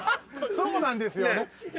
そうなんですよ。